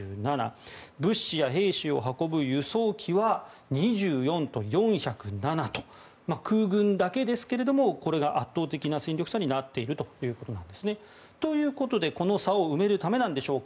物資や兵士を運ぶ輸送機は２４と４０７と空軍だけですけれども圧倒的な戦力差になっているということなんですね。ということでこの差を埋めるためでしょうか。